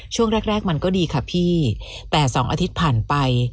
ช่วงแรกแรกมันก็ดีค่ะพี่แต่๒อาทิตย์ผ่านไป